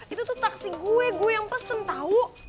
itu tuh taksi gue gue yang pesen tahu